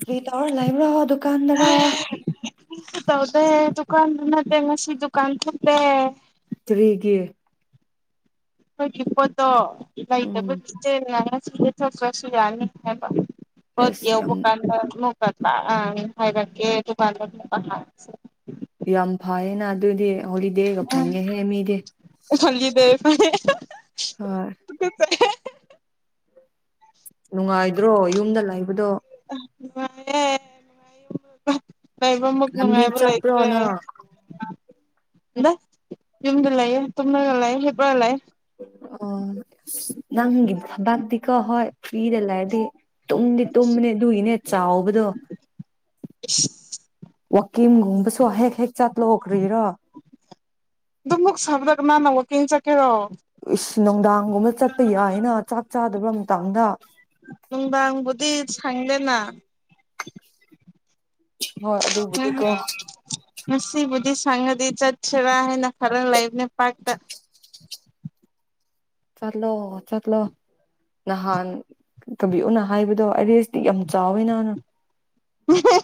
ꯀ꯭ꯔꯤ ꯇꯧꯔ ꯂꯩꯕ꯭ꯔꯣ ꯗꯨꯀꯥꯟꯗꯔ ꯇꯧꯗꯦ ꯗꯨꯀꯥꯟꯗꯨ ꯅꯠꯇꯦ ꯉꯁꯤ ꯗꯨꯀꯥꯟ ꯊꯂꯦ [inaudible] ꯇꯔꯤꯒꯤ ꯑꯩꯈꯣꯏꯒꯤ ꯄꯣꯠꯇꯣ ꯂꯩꯇꯕ ꯎꯝ ꯆꯦꯅ ꯉꯁꯤꯊꯈ꯭ꯔꯁꯨ ꯌꯥꯅꯤ ꯍꯥꯏꯕ ꯐ ꯑꯁ ꯌꯥꯕꯨ ꯌꯥꯝ ꯀꯥꯟꯗ ꯑ ꯍꯥꯏꯔꯦ ꯇꯄ ꯍꯥ ꯌꯥꯝ ꯐꯌꯦꯅ ꯑꯗꯨꯗꯤ ꯍꯣꯂꯤꯗꯦꯒ ꯐꯟꯒꯦ ꯍꯦ ꯃꯤꯗꯤ ꯑ ꯑꯥ ꯅꯨꯡꯉꯥꯏꯗ꯭ꯔꯣ ꯌꯨꯝꯗ ꯂꯩꯕꯗꯣ ꯂꯅꯨꯡꯉꯅꯨꯡꯉ [inaudible] ꯂꯩꯕ ꯃꯛ ꯂꯝꯕꯤ ꯅꯨꯡꯉꯥꯏꯕ ꯆꯠꯄ꯭ꯔꯣ ꯂꯩꯈ꯭ꯔꯦ ꯅꯪ ꯗ ꯌꯨꯝꯗꯂꯌꯦ ꯇꯨꯃꯒꯂꯌꯦ ꯍꯤꯄꯔꯂꯦ ꯑꯣ ꯅꯪꯒꯕꯥꯒꯗꯤꯀꯣ ꯍꯣꯏ ꯄꯤꯗꯂꯥꯏꯗꯤ ꯇꯨꯝꯗꯤ ꯇꯨꯝꯕꯅꯦ ꯑꯗꯨꯏꯅꯦ ꯆꯥꯎꯕꯗꯣ [inaudible] ꯋꯥꯛꯀꯤꯝꯒꯨꯝꯕꯁꯨ ꯍꯦꯛ ꯍꯦꯛ ꯆꯠꯂꯣꯈ꯭ꯔꯤꯔꯣ ꯑꯗꯨꯝꯃꯨꯛ ꯁꯕꯗꯒ ꯃꯥꯅ ꯋꯥꯀꯜ ꯆꯠꯀꯦꯔꯣ ꯅꯨꯡꯗꯥꯡꯒꯨꯝꯕ ꯆꯠꯄ ꯌꯥꯏꯅ ꯆꯥꯛ ꯆꯥꯗꯕ ꯃꯇꯥꯡꯗ ꯅꯨꯗꯥꯡꯕꯨꯗꯤ ꯁꯥꯡꯂꯦꯅ ꯍꯣꯏ ꯑꯗꯨꯕꯨꯗꯤꯀꯣ ꯃꯦꯖꯁꯤ ꯈꯪꯉꯗꯤ ꯆꯠꯁꯤꯔꯥ ꯍꯥꯏꯅ ꯈꯔ ꯂꯩꯕ ꯅ ꯄꯥꯛꯇ ꯆꯠꯂꯣ ꯆꯠꯂꯣ ꯅꯍꯥꯟ ꯀꯕꯤ ꯎꯅ ꯍꯥꯏꯕꯗꯣ ꯑꯔꯦꯁꯇꯤ ꯌꯥꯝ ꯆꯥꯎꯋꯤ ꯅꯍꯅ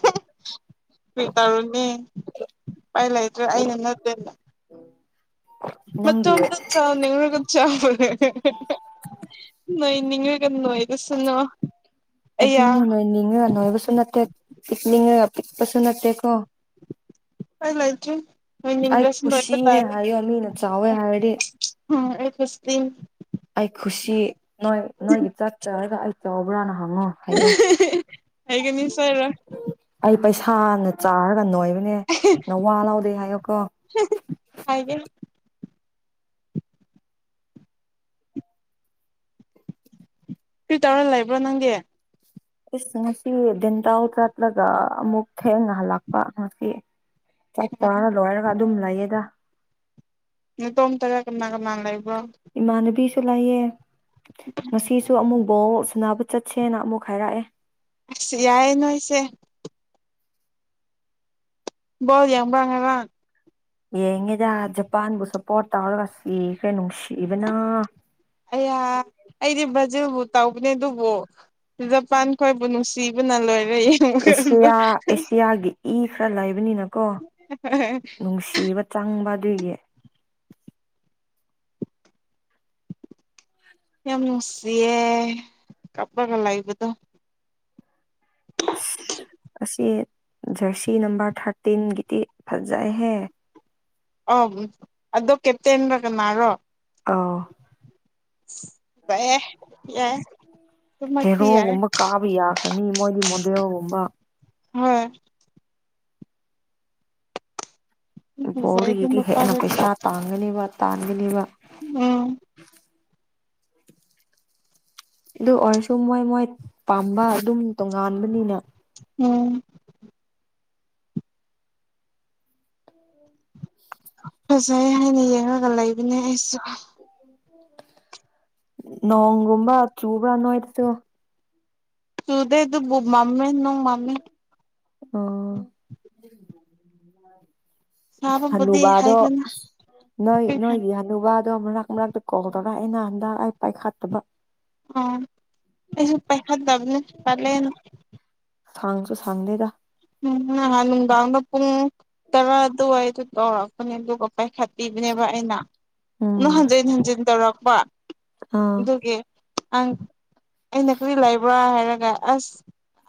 [inaudible] ꯀꯤ ꯇꯥꯔꯨꯅꯦ ꯎꯄꯥꯏ ꯂꯩꯇ꯭ꯔꯦ ꯑꯩꯅ ꯅꯠꯇꯦꯅ ꯃ ꯅꯪꯒꯤ ꯆꯒ ꯆꯥꯕꯅꯦ ꯅ ꯏ ꯑꯌꯥ ꯑꯗꯨꯅꯦ ꯅꯣꯏ ꯅꯤꯡꯉ ꯅꯣꯏꯕꯁꯨ ꯅꯠꯇꯦ ꯄꯤꯛꯂꯤ ꯄ ꯄꯁꯅꯇꯦ ꯀꯣ ꯎꯄꯥꯏ ꯂꯩꯇ꯭ꯔꯦ ꯑꯩ ꯅꯣꯏꯅꯤꯡꯗ꯭ꯔꯁꯨ ꯅꯣꯏꯕ ꯀꯁꯤꯅꯦ ꯇꯥꯔꯦ ꯍꯥꯏꯌꯣꯅ ꯆꯥꯎꯋꯦ ꯍꯥꯏꯔꯗꯤ ꯎꯝ ꯑꯩꯁꯇ ꯑꯩ ꯈꯨꯁꯤ ꯅꯣꯏ ꯅꯣꯏꯒꯤ ꯆꯠ ꯆꯔꯒ ꯑꯩ ꯆꯥꯎꯕ꯭ꯔꯥꯅ ꯍꯉꯣ ꯍꯥꯌꯣ ꯍꯩꯒꯅꯤ ꯁꯣꯏꯔꯣꯏ ꯄꯩꯁꯥꯅ ꯆꯥꯔꯒ ꯅꯣꯏꯕꯅꯦ ꯅ ꯋꯥ ꯂꯧꯗꯦ ꯍꯥꯏꯌꯣꯀꯣ ꯍꯥꯏꯒꯦ ꯐꯔꯤ ꯇꯧꯔ ꯂꯏꯕ꯭ꯔꯣ ꯅꯪꯗ ꯏꯁꯁ ꯉꯁꯤ ꯇꯥꯎꯗꯠꯂꯒ ꯑꯃꯨꯛꯇ ꯊꯦꯡ ꯉꯍꯜꯂꯛꯄ ꯉꯁꯤ ꯆꯞ ꯎꯝ ꯆꯥꯅ ꯂꯣꯏꯔꯒ ꯑꯗꯨꯝ ꯂꯩꯌꯦꯗ ꯇꯣꯝ ꯇꯒ ꯀꯅꯥ ꯀꯅ ꯂꯩ ꯏꯃꯥꯟꯅꯕꯤꯁꯨ ꯂꯩꯌꯦ ꯉꯁꯤꯁꯨ ꯑꯃꯨꯛ ꯕꯣ ꯁꯅꯕ ꯆꯠꯁꯦꯅ ꯑꯃꯨꯛ ꯍꯥꯏꯔꯛꯑꯦ ꯑꯁ ꯌꯥꯏꯌꯦ ꯅꯣꯏꯁꯦ ꯕꯗꯤꯝꯕꯉ ꯂ ꯌꯦꯡꯉꯤꯗ ꯖꯄꯥꯟꯕꯨ ꯁꯞꯄꯣꯔꯠ ꯇꯧꯔꯒ ꯁꯤꯈꯦ ꯅꯨꯡꯁꯤꯕꯅ ꯑ ꯑꯩꯗꯤ ꯕꯖꯦꯜꯕꯨ ꯇꯧꯕꯅꯦ ꯑꯗꯨꯕꯨ ꯖꯄꯥꯟ ꯈꯣꯏꯕꯨ ꯅꯨꯡꯁꯤꯕꯨꯅ ꯂꯣꯏꯔ ꯑꯦꯁꯤꯌꯥ ꯑꯦꯁꯤꯌꯥꯒꯤ ꯏ ꯈꯔ ꯂꯩꯕꯅꯤꯅꯀꯣ ꯅꯨꯡꯁꯤꯕ ꯆꯪꯕ ꯑꯗꯨꯏꯒꯤ ꯌꯥꯝ ꯅꯨꯡꯁꯤꯌꯦ ꯀꯞꯂꯒ ꯂꯩꯥꯛꯕꯗꯣ [inaudible] ꯑꯁꯤ ꯖꯔꯁꯤ ꯅꯝꯕꯔ ꯊꯥꯔꯇꯤꯟꯒꯤꯗꯤ ꯐꯖꯥꯏꯍꯦ ꯑ ꯑꯗꯨꯣ ꯀꯦꯞꯇꯦꯟꯔꯒꯅꯥꯔꯣ ꯑ ꯌꯥ ꯍꯦꯔꯣꯒꯨꯝꯕ ꯀꯥꯕ ꯌꯥꯒꯅꯤ ꯃꯣꯏꯗꯤ ꯃꯣꯗꯦꯦꯜꯣꯒꯨꯝꯕ ꯍꯣꯏ ꯐꯖꯩ ꯑꯗꯨ ꯣꯔꯤꯒꯤꯗꯤ ꯍꯦꯟꯅ ꯅꯨꯄꯥꯗꯨꯗꯤ ꯄꯩꯁꯥ ꯇꯥꯡꯒꯅꯦꯕ ꯇꯥꯟꯒꯅꯦꯕ ꯎꯝ ꯑꯗꯨ ꯑꯣꯏꯔꯁꯨ ꯃꯣꯏ ꯃꯣꯏ ꯄꯥꯝꯕ ꯑꯗꯨꯝ ꯇꯣꯉꯥꯟꯕꯅꯤꯅ ꯎꯝ ꯐꯖꯩ ꯍꯥꯏꯅ ꯌꯦꯡꯉꯒ ꯂꯩꯕꯅꯦ ꯑꯩꯁꯨ ꯅꯣꯡꯒꯨꯝꯕ ꯆꯨꯕ꯭ꯔꯅꯅꯨꯡꯉ ꯍꯥꯏꯗꯁꯤꯒꯣ ꯁꯨꯗ ꯑꯗꯨ ꯃꯃꯃꯤ ꯅ ꯃꯃ ꯎ ꯁꯥꯕꯕꯨꯗꯤ ꯍꯅꯨꯕꯥꯗꯣ ꯍꯥꯏꯒꯅꯨ ꯅꯣꯏ ꯅꯣꯏꯒꯤ ꯍꯨꯕꯥ ꯑꯣ ꯃꯔꯛ ꯃꯔꯛꯇ ꯀꯧꯗꯔ ꯑꯩ ꯅꯍ ꯍꯟꯗ ꯑꯩ ꯄꯥꯏꯈꯠꯇꯕ ꯑꯣꯁꯨ ꯄꯩꯁꯥ ꯕꯅꯦ ꯄꯦꯅ ꯁꯥꯡꯒꯁꯨꯁꯪꯅꯦꯗ ꯎꯝ ꯅꯍꯥꯟ ꯅꯨꯡꯗꯥꯡꯗ ꯄꯨꯡ ꯇꯔꯥ ꯑꯗꯨꯏꯗ ꯇꯧꯔꯛꯄꯅꯤ ꯑꯗꯨꯒ ꯄꯥꯏ ꯈꯥꯇ ꯑꯗꯨꯅꯦꯕ ꯑꯩꯅ ꯎꯝ ꯑꯗꯨ ꯍꯟꯖꯤꯟ ꯍꯟꯖꯤꯟ ꯇꯧꯔꯛꯄ ꯑꯥ ꯑꯗꯨꯒꯤꯪ ꯑꯩꯅ ꯀꯔꯤ ꯂꯩꯕ꯭ꯔꯥ ꯍꯥꯏꯔꯒ ꯑꯁ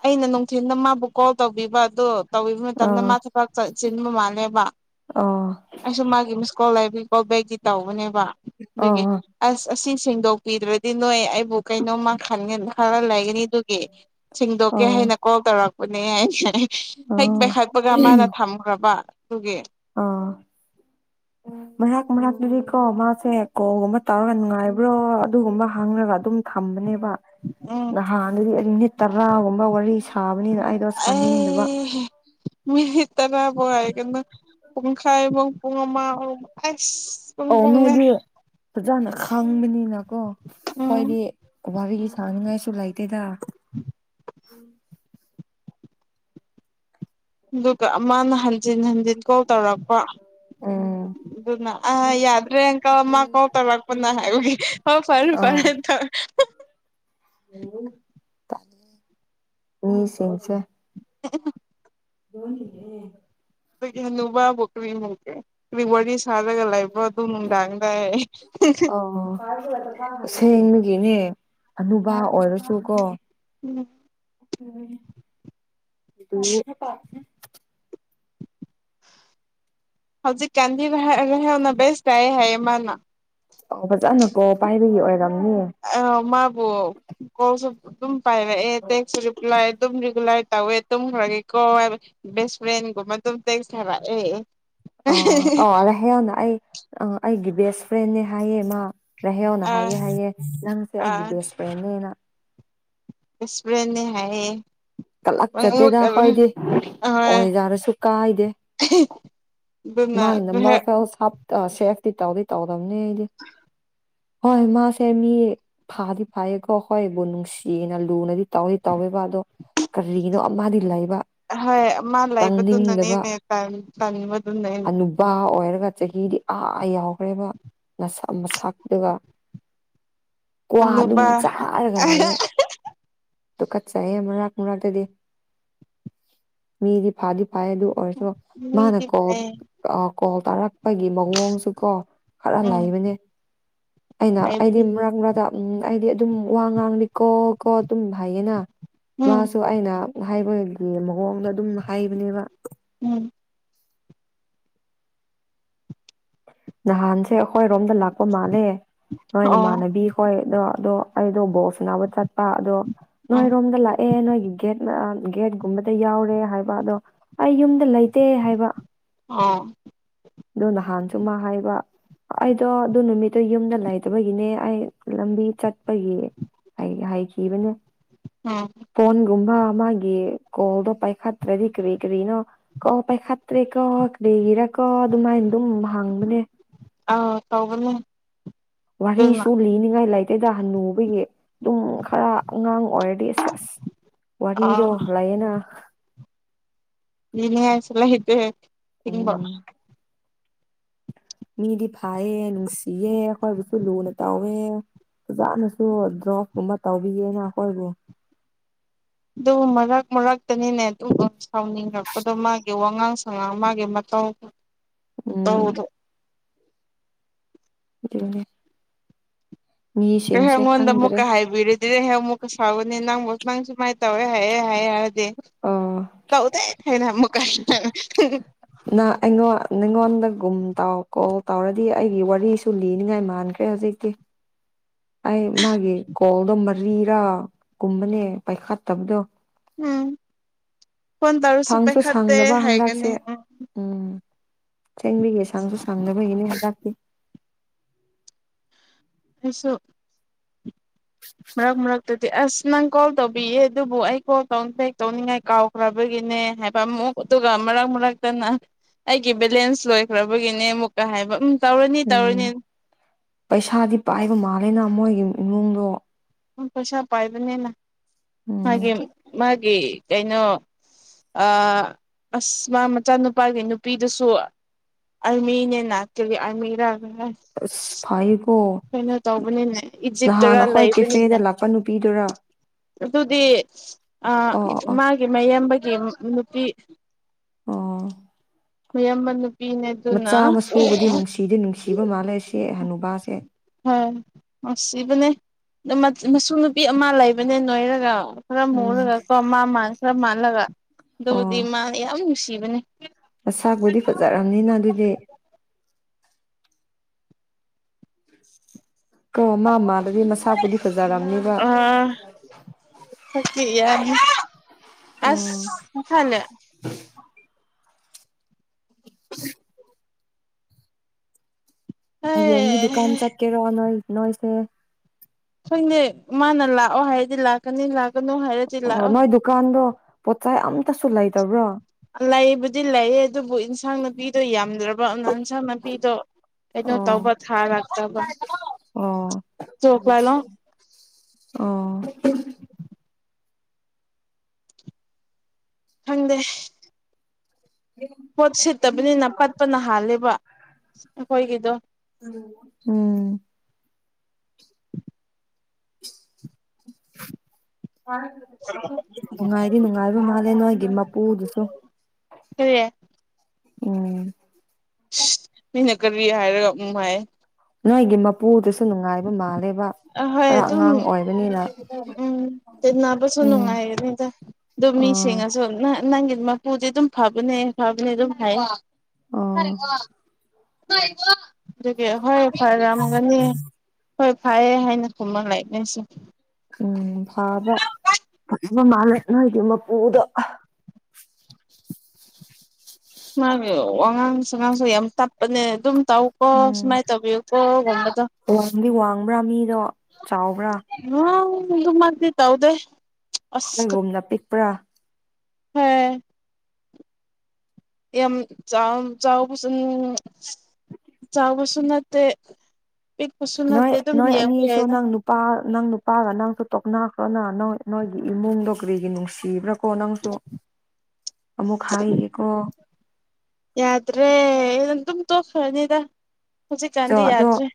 ꯑꯩꯅ ꯅꯨꯡꯊꯤꯟꯜꯗ ꯃꯥꯕꯨ ꯀꯣꯜ ꯇꯧ ꯕꯗ ꯇꯧꯕꯤꯕ ꯃꯇꯝꯗ ꯑꯥ ꯃꯥ ꯊꯕꯛ ꯆꯤꯟꯕ ꯃꯥꯜꯂꯦꯕ ꯑꯥ ꯑꯩꯁꯨ ꯃꯥꯒꯤ ꯀꯣꯜꯕꯒꯤ ꯀꯣꯜ ꯕꯦꯛꯇꯤ ꯇꯧꯕꯅꯦꯕ ꯑꯗꯨꯒꯤ ꯑꯥ ꯑꯁ ꯑꯁꯤ ꯁꯦꯡꯗꯣꯛꯄꯤꯗ꯭ꯔꯗꯤ ꯅꯣꯏ ꯑꯩꯕꯨ ꯀꯩꯅꯣꯝꯃ ꯈꯔ ꯂꯩꯒꯅꯤ ꯑꯗꯨꯒꯤ ꯁꯦꯡꯗꯣꯛꯀꯦ ꯑꯥ ꯍꯥꯏꯅ ꯀꯣꯜ ꯇꯧꯔꯛꯄꯅꯦ ꯍꯩ ꯑꯥ ꯄꯦꯛꯈꯥꯛꯄꯒ ꯃꯥꯅ ꯊꯝꯈ꯭ꯔꯕ ꯑꯗꯨꯒꯤ ꯑꯥ ꯃꯔꯥꯛ ꯃꯔꯛꯇꯨꯗꯤ ꯀꯣ ꯃꯥꯁꯦ ꯀꯣꯒꯨꯝꯕ ꯇꯧꯔꯒ ꯅꯨꯡꯉꯥꯏꯕ꯭ꯔꯣ ꯑꯗꯨꯒꯨꯝꯕ ꯍꯪꯉꯒ ꯑꯗꯨꯝ ꯈꯝꯅꯦꯕ ꯎꯝ ꯅꯍꯥꯟꯗꯨꯗꯤ ꯅꯨꯅꯤꯠ ꯇꯔꯥꯒꯨꯝꯕ ꯋꯥꯔꯤ ꯁꯥꯕꯅꯤꯅ ꯑꯩꯗꯣ ꯁꯥꯅꯤꯡꯗꯕ ꯃꯤ ꯇꯔꯥꯕꯣ ꯍꯥꯏ ꯀꯣ ꯄꯨꯡꯈꯥꯏꯕ ꯄꯨꯡꯉ ꯑꯃ ꯑꯁ ꯄꯨꯡ ꯑꯣ ꯄꯨꯡꯅꯦ ꯃꯒꯤ ꯐꯖꯅꯦ ꯍꯪꯕꯅꯤꯅꯀꯣ ꯎꯝ ꯍꯣꯏꯗꯤꯕꯤꯒꯤ ꯁꯥꯡꯅꯤꯡꯉꯥꯏꯁꯨ ꯂꯩꯇꯦꯗ ꯎꯝ ꯑꯗꯨꯒ ꯃꯥꯅ ꯍꯟꯖꯤꯟ ꯍꯟꯖꯤꯟ ꯀꯣꯜ ꯇꯧꯔꯛꯄ ꯎꯝ ꯑꯗꯨꯅ ꯑ ꯌꯥꯗ꯭ꯔꯦ ꯏꯪꯀ ꯃꯥ ꯀ ꯄꯔꯋꯥꯄꯅ ꯍꯥꯏ ꯐꯔ ꯑꯥ ꯐꯔ ꯊ ꯃꯤꯁꯤꯡꯁꯦ ꯑꯣ ꯂꯣꯟꯅꯦꯦ ꯍꯥꯅꯨꯕ ꯍꯥꯏꯕꯨ ꯀꯕꯤꯀꯦ ꯋꯥꯔꯤ ꯁꯥꯥꯖꯒ ꯂ ꯂꯩꯕꯣ ꯑꯗꯨꯝꯗꯥꯡꯗꯥꯥꯏ ꯁꯦꯡꯅꯒꯤꯅꯦ ꯑꯅꯕꯥ ꯑꯣꯏꯔꯁꯨꯀꯣ ꯎꯝ ꯎꯝ ꯍꯧꯖꯤꯛ ꯀꯥꯟꯗꯤꯅ ꯕꯦꯁ ꯇꯥꯏꯌꯦ ꯍꯥꯏꯌꯦ ꯃꯥꯅ ꯑꯣ ꯐꯖꯅꯀꯣ ꯕꯥꯜ ꯄꯥꯏꯕꯒꯤ ꯑꯣꯏꯔꯝ ꯑ ꯃꯥꯕꯨ ꯀꯧ ꯁꯣ ꯑꯗꯨꯝ ꯄꯥꯏꯔ ꯑꯦ ꯇꯁꯨꯔꯤꯄ꯭ꯂꯥꯏ ꯑꯗꯨꯝ ꯔꯤꯒꯨꯂꯥꯏ ꯇꯧꯋꯦ ꯇꯨꯝꯈꯒꯦꯀꯣ ꯕꯦꯁ ꯐ꯭ꯔꯦꯟꯒꯨꯝꯕ ꯑꯗꯨꯝ ꯇꯦꯛ ꯁꯥꯔꯛꯑꯦ ꯑ ꯑ ꯑ ꯍꯡꯅ ꯑꯩ ꯑꯩꯒꯤ ꯕꯦꯁ ꯐ꯭ꯔꯦꯦ ꯍꯥꯏꯌꯦ ꯃꯥ ꯅꯥꯏꯍꯥꯎꯅ ꯑꯥ ꯍꯥꯏꯌꯦ ꯍꯥꯏꯑꯦ ꯅꯪꯁꯦ ꯑꯩꯒꯤ ꯕꯦꯁ ꯐ꯭ꯔꯦꯟꯅꯦꯅ ꯑꯦꯁꯃꯔꯅꯦ ꯍꯥꯏꯌꯦ ꯍꯣꯏ ꯀꯂꯛꯆꯗꯦꯗꯥ ꯍꯣꯏꯗꯤ ꯑꯣꯏꯖꯥꯔꯁꯨ ꯀꯥꯏꯗꯦ ꯑꯗꯨꯅ ꯃꯥꯒꯤ ꯅ ꯍꯣꯏ ꯃꯔꯔꯐ ꯁꯦꯐꯇꯤ ꯇꯧꯗꯤ ꯇꯧꯗꯕꯅꯤ ꯑꯩꯗꯤ ꯍꯣꯏ ꯃꯥꯁꯦ ꯃꯤ ꯐꯥꯗꯤ ꯐꯥꯏꯌꯦꯀꯣ ꯍꯣꯏꯕꯨ ꯅꯨꯡꯁꯤꯅ ꯂꯨꯅꯗꯤ ꯇꯧꯗꯤ ꯇꯧꯋꯦ ꯗꯣ ꯀꯔꯤꯅꯣ ꯑꯃꯗꯤ ꯂꯩꯕ ꯍꯣꯏ ꯃꯥ ꯆꯪꯅꯤꯡꯗꯕ ꯂꯩꯕꯗꯨꯅꯅꯦꯅꯦ ꯇꯟ ꯇꯟꯕꯗꯨꯅꯦ ꯍꯅꯨꯕꯥ ꯑꯣꯏꯔꯒ ꯆꯍꯤꯗꯤ ꯑꯥ ꯌꯥꯎꯈ꯭ꯔꯦꯕ ꯅꯁꯥ ꯃꯁꯥꯛꯇꯨꯒ ꯀ꯭ꯋꯥ ꯍꯅꯨꯕ ꯑꯗꯨꯝ ꯆꯥꯔꯒ ꯂꯩꯌꯦ ꯇꯨꯆꯠꯆꯩꯌꯦ ꯃꯔꯛ ꯃꯔꯛꯇꯥꯗꯤ ꯃꯤꯗꯤ ꯐꯥꯗꯤ ꯄꯥꯏ ꯑꯗꯨꯨ ꯑꯣꯏꯁꯨ ꯃꯥꯅꯥ ꯃꯤꯗꯤ ꯀꯣ ꯐꯩ ꯑ ꯀꯣ ꯇꯔꯥ ꯑꯩꯒꯤ ꯃꯑꯣꯡꯁꯨ ꯀꯣ ꯈꯔ ꯎꯝ ꯂꯩꯕꯅꯦ ꯑꯩꯅ ꯑꯩꯗꯤ ꯍꯥꯏꯕꯅꯦ ꯃꯔꯛ ꯃꯔ ꯎꯝ ꯍꯥꯏꯗꯤ ꯑꯗꯨꯝ ꯋꯥ ꯉꯥꯡꯂꯤ ꯀꯣ ꯀꯣ ꯑꯗꯨꯝ ꯍꯥꯏꯌꯦꯅ ꯎꯝ ꯃꯥꯁꯨ ꯑꯩꯅ ꯍꯥꯏꯕꯒꯤ ꯑꯃꯛ ꯃꯑꯣꯡꯗ ꯑꯗꯨꯝ ꯍꯥꯏꯕꯅꯦꯕ ꯎꯝ ꯅꯍꯥꯟꯁꯦ ꯑꯩꯈꯣꯏꯔꯣꯝꯗ ꯂꯥꯛꯄ ꯃꯥꯜꯂꯦ ꯑꯣ ꯅꯣꯏꯅꯃꯥꯟꯅꯕꯤꯈꯣꯏ ꯑꯗꯣ ꯑꯗꯣ ꯑꯩꯗꯣ ꯕꯣꯛꯁꯅꯥꯕ ꯆꯠꯄ ꯑꯗꯣ ꯎꯝ ꯅꯣꯏꯔꯣꯝꯗ ꯂꯥꯛꯑꯦ ꯅꯣꯏꯒꯤ ꯒꯦꯠ ꯒꯦꯠꯀꯨꯝꯕꯗ ꯌꯥꯎꯔꯦ ꯍꯥꯏꯕ ꯑꯗꯣ ꯑꯩ ꯌꯨꯝꯗ ꯂꯩꯇꯦ ꯍꯥꯏꯕ ꯑꯥ ꯑꯗꯣ ꯅꯍꯥꯟꯁꯨ ꯃꯥ ꯍꯥꯏꯕ ꯑꯩꯗꯣ ꯑꯗꯨ ꯅꯨꯃꯤꯠꯇꯣ ꯌꯨꯝꯗ ꯂꯩꯇꯥꯕꯒꯤꯅꯦ ꯑꯩ ꯂꯝꯕꯤ ꯆꯠꯄꯒꯤ ꯍꯩꯈꯤꯕꯅꯦ ꯎꯝ ꯐꯣꯟꯒꯨꯝꯕ ꯃꯥꯒꯤ ꯀꯣꯜꯗꯣ ꯄꯥꯏꯈꯠꯇꯔꯥꯗꯤ ꯀꯔꯤ ꯀꯔꯤꯅꯣ ꯀꯣꯜ ꯄꯥꯏꯈꯥꯇ꯭ꯔꯦ ꯀꯦ ꯀꯔꯤꯔ ꯀꯦ ꯑꯗꯨꯃꯥꯏꯅ ꯑꯗꯨꯝ ꯍꯥꯡꯕꯅꯦ ꯑꯥ ꯇꯧꯕꯅꯦ ꯑꯗꯨꯅ ꯋꯥꯔꯤꯁꯨ ꯂꯤꯅꯤꯡꯉꯥꯏ ꯂꯩꯇꯦꯗ ꯍꯟꯅꯨꯕꯒꯤ ꯑꯗꯨꯝ ꯇꯨꯝ ꯈꯔ ꯑꯉꯥꯡ ꯑꯣꯏꯔꯗꯤ ꯑꯁ ꯑꯁ ꯑ ꯋꯥꯔꯤꯗꯣ ꯂꯩꯌꯦꯅ ꯂꯤꯅꯤꯡꯉꯥꯏꯁꯨ ꯂꯩꯇꯦ ꯎꯝ ꯃꯤꯗꯤ ꯐꯌꯦ ꯅꯨꯡꯁꯤꯌꯦ ꯑꯩꯈꯣꯏꯕꯨꯁꯨ ꯂꯨꯅ ꯇꯥꯎꯋꯦ ꯑꯣꯖꯥꯅꯁꯨ ꯗ꯭ꯔꯣꯞ ꯀꯨꯝꯕ ꯇꯧꯕꯤꯌꯦꯅ ꯑꯩꯈꯣꯏꯕꯨ ꯑꯗꯨ ꯃꯔꯛ ꯃꯔꯛꯇꯅꯤꯅꯦ ꯑꯗꯨꯝ ꯁꯥꯎꯅꯤꯡꯉꯛꯄꯗꯣ ꯃꯥꯒꯤ ꯋꯥꯉꯥꯡ ꯁꯉꯥꯡ ꯃꯥꯒꯤ ꯃ ꯍ ꯎꯝ ꯍꯧꯗ ꯑꯗꯨ ꯑꯩ ꯑꯩꯉꯣꯟꯗ ꯈꯪꯗ꯭ꯔꯦ ꯑꯃꯨꯛꯀ ꯍꯥꯏꯕꯤꯔꯗꯤ ꯑꯩ ꯑꯃꯨꯛꯀ ꯁꯥꯥꯎꯒꯅꯤ ꯅꯪ ꯅꯪ ꯁꯨꯃꯥꯏꯅ ꯇꯧꯋꯦ ꯍꯥꯏꯑꯦ ꯍꯥꯌꯦ ꯍꯥꯏꯔꯗꯤ ꯑ ꯇꯧꯗꯦ ꯑꯩꯅꯥ ꯑꯃꯨꯛꯀꯥ ꯅ ꯑꯩꯉꯣꯟ ꯅꯉꯣꯟꯗ ꯒꯨꯝ ꯀꯣꯜ ꯇꯧꯔꯗꯤ ꯑꯩꯒꯤ ꯋꯥꯔꯤꯁꯨ ꯂꯤꯅꯤꯡꯉꯥꯏ ꯃꯥꯟꯈ꯭ꯔꯦ ꯍꯧꯖꯤꯛꯇꯤ ꯑꯩ ꯃꯥꯒꯤ ꯀꯣꯜꯗꯣ ꯃꯔꯤꯔꯥ ꯀꯨꯝꯕꯅꯦ ꯄꯥꯏꯈꯠꯇꯕꯗꯣ ꯎꯝ ꯐꯣꯟ ꯇꯧꯔꯁꯨ ꯁꯪꯁꯨ ꯄꯥꯏꯈꯠꯇꯦ ꯁꯪꯗꯕ ꯍꯥꯏꯒꯅꯤ ꯎꯝ ꯆꯦꯡꯕꯤꯒꯦ ꯁꯥꯡꯁꯨ ꯁꯥꯡꯗꯅꯕꯒꯤꯅꯦ ꯍꯖꯥꯛꯇꯤ ꯑꯁꯨꯣ ꯃꯔꯔꯛ ꯃꯔꯛ ꯑꯗꯨꯗꯤ ꯑꯁ ꯅꯪ ꯀꯣꯜ ꯇꯧꯕꯤꯌꯦ ꯑꯗꯨꯕꯨ ꯑꯩ ꯀꯣꯜ ꯦꯛ ꯇꯧꯅꯤꯡꯉꯥꯏ ꯀꯥꯎꯈ꯭ꯔꯕꯒꯤꯅꯦ ꯍꯥꯏꯕ ꯑꯃꯨꯛ ꯑꯃꯨꯛ ꯑꯗꯨꯒ ꯃꯔꯛ ꯃꯔꯛꯇꯅ ꯑꯩꯒꯤ ꯕꯦꯂꯦꯟꯁ ꯂꯣꯏꯈ꯭ꯔꯕꯒꯤꯅꯦ ꯑꯃꯨꯛꯀ ꯍꯥꯏꯕ ꯇꯧꯔꯅꯤ ꯎꯝ ꯇꯧꯔꯅꯤ ꯄꯩꯁꯥꯗꯤ ꯄꯥꯏꯕ ꯃꯥꯜꯂꯦꯅ ꯃꯣꯏꯒꯤ ꯏꯃꯨꯡꯗꯣ ꯄꯩꯁꯥ ꯄꯥꯏꯕꯅꯤꯅ ꯎꯝ ꯃꯥꯒꯤ ꯃꯥꯒꯤ ꯀꯩꯅꯣ ꯑꯁ ꯃꯥ ꯃꯆꯥꯅꯨꯄꯥꯒꯤ ꯅꯨꯄꯤꯗꯨꯁꯨ ꯑꯜꯃꯟ ꯌꯦꯟ ꯍꯥꯇꯔꯤ ꯑꯜꯃꯤ ꯑꯁ ꯐꯩꯌꯦꯀꯣ ꯀꯩꯅꯣ ꯇꯧꯕꯅꯤꯅꯦ ꯏꯖꯤꯞꯇꯒ ꯂꯩꯕꯅꯤ ꯗ ꯂꯥꯛꯄ ꯅꯨꯄꯤꯗꯨꯔ ꯑꯗꯨꯗꯤ ꯑꯣ ꯃꯥꯒꯤ ꯃꯌꯦꯕꯒꯤ ꯅꯨꯄꯤ ꯑꯣ ꯌꯥꯝꯃꯜ ꯃꯆꯥ ꯃ ꯁꯨꯕꯗꯤ ꯅꯨꯡꯁꯤꯗꯤ ꯅꯨꯡꯁꯤꯕ ꯃꯥꯜꯂꯦ ꯁꯤ ꯍꯅꯨꯕꯥꯁꯦ ꯍꯣꯏ ꯁꯤꯕꯅꯦ ꯃꯁꯨ ꯅꯨꯄꯤ ꯑꯃ ꯂꯩꯕꯅꯦ ꯅꯣꯏꯔꯒ ꯈꯔ ꯎꯝ ꯃꯨꯔꯒ ꯀꯣ ꯃꯥ ꯃꯥꯜ ꯈꯔ ꯃꯥꯜꯂꯒ ꯑꯗꯨꯕꯨꯗꯤ ꯃꯥꯅ ꯌꯥꯝ ꯅꯨꯡꯁꯤꯕꯅꯦ ꯅꯁꯥꯄꯨꯗꯤ ꯐꯖꯔꯕꯔꯕꯅꯤꯅ ꯑꯗꯨꯗꯤ ꯀꯧ ꯑꯃ ꯑꯃꯗꯗꯤ ꯃꯁꯥꯕꯨꯗꯤ ꯐꯖꯔꯝꯅꯦꯕ ꯑ ꯁꯛꯇꯤ ꯑꯁ ꯐꯅ ꯎ ꯌꯦꯡꯒꯤ ꯗꯨꯀꯥꯟ ꯆꯠꯀꯦꯔꯣ ꯅꯣꯣꯏ ꯅꯣꯣꯏꯁꯦ ꯑꯩꯈꯣꯏꯅꯦ ꯃꯥꯅ ꯂꯥꯛꯑꯣ ꯍꯥꯏꯔꯗꯤ ꯂꯥꯛꯀꯅꯤ ꯂꯥꯛꯀꯅꯨ ꯍꯥꯏꯔꯗꯤ ꯑꯣ ꯂꯥꯛꯑꯣ ꯅꯣꯏ ꯗꯨꯀꯥꯟꯗꯣ ꯄꯣꯠꯆ ꯑꯝꯇꯁꯨ ꯂꯩꯇꯕ꯭ꯔꯣ ꯂꯩꯕꯨꯗꯤ ꯂꯩꯌꯦ ꯑꯗꯨꯕꯨ ꯏꯟꯁꯥꯡ ꯅꯨꯄꯤꯗꯣ ꯌꯥꯝ ꯐꯗ꯭ꯔꯕ ꯅꯟꯁꯟ ꯃꯄꯤꯗꯣ ꯀꯩꯅꯣ ꯑꯣ ꯇꯧꯕ ꯊꯥꯔꯛꯇꯕ ꯑꯣ ꯆꯣꯛ ꯂꯥꯂꯣꯡ ꯑꯣ ꯍꯪꯗꯦ ꯄꯣꯠ ꯁꯤꯠꯇꯕꯅꯤꯅ ꯄꯠꯄ ꯅ ꯍꯥꯜꯂꯦꯕ ꯑꯩꯈꯣꯏꯒꯤꯗꯣ ꯎꯝ [inaudible] ꯅꯨꯡꯉꯥꯏꯗꯤ ꯅꯨꯡꯉꯥꯏꯕ ꯃꯥꯜꯂꯦ ꯅꯣꯏꯒꯤ ꯃꯄꯨꯗꯨꯁꯨ ꯍꯦ ꯎꯝ ꯃꯤꯅ ꯀꯔꯤ ꯍꯥꯏꯔꯒ ꯑꯃꯨ ꯍꯥꯏ ꯅꯣꯏꯒꯤ ꯃꯄꯨꯗꯨꯁꯨ ꯅꯨꯡꯉꯥꯏꯕ ꯃꯥꯜꯂꯦꯕ ꯈꯔ ꯑꯉꯥꯡ ꯑꯣꯏꯕꯅꯤꯅ ꯎꯝꯕꯁꯨ ꯎꯝ ꯅꯨꯡꯉꯥꯏꯗ ꯑꯗꯨꯝ ꯑꯣ ꯃꯤꯁꯉꯁꯨ ꯅꯪꯒꯤ ꯃꯄꯨꯗꯤ ꯑꯗꯨꯝ ꯐꯕꯅꯦ ꯐꯕꯅꯦ ꯑꯗꯨꯝ ꯍꯥꯏ ꯑꯣ ꯑꯗꯨꯒꯤ ꯍꯣꯏ ꯐꯔꯦ ꯌꯥꯝꯝꯃꯒꯅꯤ ꯍꯣꯏ ꯐꯩꯌꯦ ꯍꯥꯏꯅ ꯈꯨꯝꯕ ꯂꯩ ꯅꯣꯏꯁꯨ ꯎꯝ ꯐꯥꯕꯕ ꯃꯥꯂꯅ ꯍꯥꯏꯗꯤꯃ ꯄꯨꯗꯣ ꯃꯥꯒꯤ ꯋꯥꯉꯥꯡ ꯁꯉꯥꯡꯁꯨ ꯌꯥꯝ ꯇꯞꯄꯅꯦ ꯑꯗꯨꯝ ꯇꯧ ꯀꯣ ꯎꯝ ꯁꯃꯥꯏ ꯇꯧꯕꯤꯌꯨ ꯀꯣ ꯕꯗ ꯋꯥꯡꯗꯤ ꯋꯥꯡꯕ꯭ꯔꯥ ꯃꯤꯗꯣ ꯆꯥꯎꯕ꯭ꯔꯥ ꯑ ꯑꯗꯨꯃꯗ ꯇꯥꯎꯗꯦ ꯍꯈꯣꯏꯒꯣꯨꯝꯅ ꯄꯤꯛꯄ꯭ꯔꯥ ꯍꯝ ꯌꯥꯝ ꯆ ꯆꯎ ꯄꯁ ꯆꯥꯎꯕꯁꯅꯠꯇ ꯅꯣꯏ ꯅꯣꯏ ꯑꯅꯤꯁ ꯅꯪ ꯅꯨꯄꯥ ꯅꯪ ꯅꯨꯄꯥꯒ ꯅꯪꯁꯨ ꯇꯣꯛꯅꯥꯈ꯭ꯔꯅ ꯅ ꯅꯣꯏꯒꯤ ꯏꯃꯨꯡꯗꯣ ꯀ꯭ꯔꯤꯒꯤ ꯅꯨꯡꯁꯤꯕ꯭ꯔꯥ ꯀꯣ ꯅꯪꯁꯨ ꯑꯃꯨꯛ ꯍꯥꯏꯒꯦꯀꯣ ꯌꯥꯗ꯭ꯔꯦ ꯑꯗꯨꯝ ꯇꯣꯛꯈ꯭ꯔꯅꯤꯗ ꯑꯣ ꯍꯧꯖꯤꯛꯀꯥꯟꯗꯤ ꯑꯗꯣ ꯌꯥꯗ꯭ꯔꯦ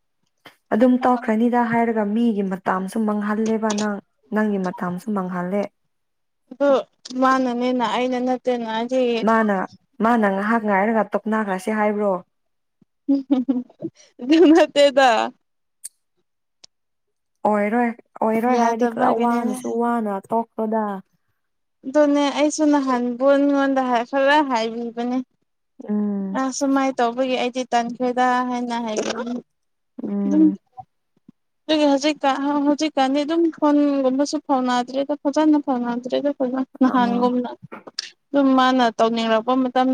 ꯑꯗꯨꯝ ꯇꯧꯈ꯭ꯔꯅꯤꯗ ꯍꯥꯏꯔꯒ ꯃꯤꯒꯤ ꯃꯇ ꯁꯨꯝ ꯃꯥꯡꯍꯜꯂꯦꯕ ꯅꯪ ꯅꯪꯒꯤ ꯃꯇꯝꯁꯨ ꯃꯥꯡꯍꯜꯂꯦ ꯑꯗꯣ ꯃꯥꯅꯅꯦꯅ ꯑꯩꯅ ꯅꯠꯇꯦꯅ ꯑꯩꯗꯤ ꯃꯥꯅ ꯃꯥꯅ ꯉꯥꯏꯍꯥꯛ ꯉꯥꯏꯔꯒ ꯇꯣꯞꯅꯈ꯭ꯔꯁꯤ ꯍꯥꯏꯕ꯭ꯔꯣ ꯑꯗꯨꯃꯠꯇꯦꯗ ꯑꯣꯏꯔꯣꯏ ꯑꯣꯏꯔꯣꯏ ꯍꯥꯏꯔꯗꯤ ꯈꯔ ꯌꯥꯗꯕꯒꯤꯅꯤꯅꯦ ꯋꯥꯅꯁꯨ ꯋꯥꯅ ꯇꯣꯛꯄꯗ ꯑꯗꯨꯅꯦ ꯑꯩꯁꯨ ꯅꯍꯥꯟꯕꯣꯟ ꯑꯩꯉꯣꯟꯗ ꯈꯔ ꯍꯥꯏꯕꯤꯕꯅꯦ ꯎꯝ ꯑ ꯁꯨꯃꯥꯏꯅ ꯇꯧꯕꯒꯤ ꯑꯩꯗꯤ ꯇꯟꯈ꯭ꯔꯦꯗ ꯍꯥꯏꯅ ꯍꯥꯏ ꯑꯗꯨꯝ ꯎꯝ [inaudible] ꯑꯗꯨꯒꯤ ꯍꯧꯖꯤꯛꯀꯥꯟ ꯍꯧꯖꯤꯛꯀꯥꯟꯗꯤ ꯑꯗꯨꯝ ꯐꯣꯟꯒꯨꯝꯕꯁꯨ ꯐꯥꯎꯅꯗ꯭ꯔꯦꯗ ꯐꯖꯅ ꯐꯥꯎꯅꯗ꯭ꯔꯦ ꯑꯗꯨ ꯑ ꯅꯍꯥꯟꯒꯨꯝꯅ ꯑꯗꯨꯝ ꯃꯥꯅ ꯇꯧꯅꯤꯡꯔꯛꯄ ꯃꯇꯝꯗ